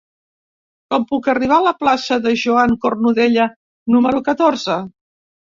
Com puc arribar a la plaça de Joan Cornudella número catorze?